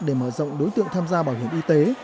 để mở rộng đối tượng tham gia bảo hiểm y tế